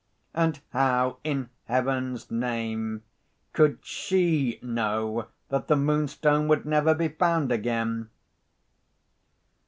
And how, in Heaven's name, could she know that the Moonstone would never be found again?